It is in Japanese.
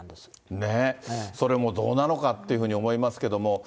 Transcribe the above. それもどうなのかっていうふうに思いますけども。